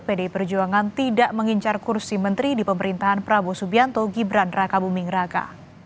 pdi perjuangan tidak mengincar kursi menteri di pemerintahan prabowo subianto gibran raka buming raka